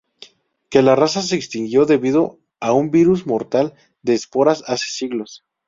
Que la raza se extinguió debido a un virus mortal de esporas hace siglos.